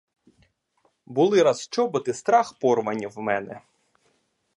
Були раз чоботи страх порвані в мене.